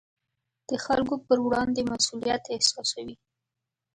د خلکو پر وړاندې مسوولیت احساسوي.